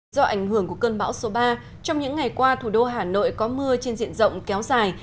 do ảnh hưởng của cơn bão số ba trong những ngày qua thủ đô hà nội có mưa trên diện rộng kéo dài